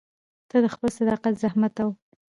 ته د خپل صداقت، زحمت او